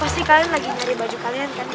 pasti kalian lagi nyari baju kalian kan